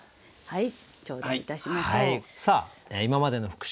はい。